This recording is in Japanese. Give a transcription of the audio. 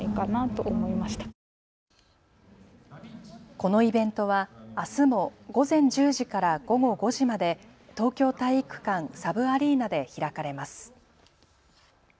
このイベントはあすも午前１０時から午後５時まで東京体育館サブアリーナで開かれます。